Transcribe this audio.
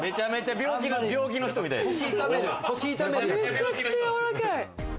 めちゃくちゃやわらかい。